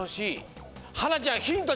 はなちゃんヒント